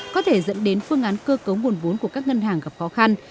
có thể dẫn đến phương án cơ cấu nguồn vốn của các ngân hàng gặp khó khăn